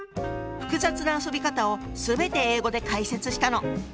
複雑な遊び方を全て英語で解説したの。